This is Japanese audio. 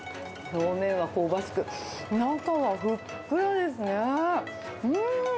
表面は香ばしく、中はふっくらですね。